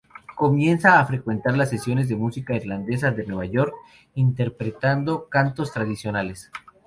Comienza a frecuentar las sesiones de música irlandesa de Nueva York, interpretando cantos tradicionales.